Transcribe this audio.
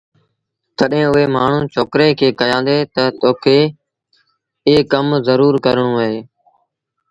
تڏهيݩ اُئي مآڻهوٚٚݩ ڇوڪري کي ڪهيآݩدي تا تا تو کي ايٚ ڪم زرُور ڪرڻو اهي